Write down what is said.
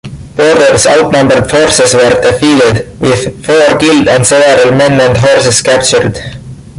Porter's outnumbered forces were defeated, with four killed and several men and horses captured.